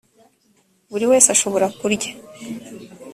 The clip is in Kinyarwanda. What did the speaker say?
buri wese ashobora kurya